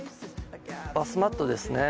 バスマットですね